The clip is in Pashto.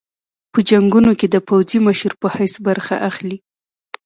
په جنګونو کې د پوځي مشر په حیث برخه اخلي.